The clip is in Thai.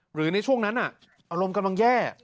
หรือในช่วงนั้นอารมณ์กำลังแย่